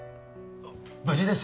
無事です